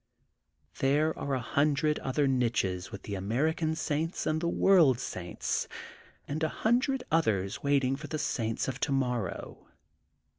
There are a hundred other niches with the American saints and world saints and a hundred others waiting for the saints of to morrow.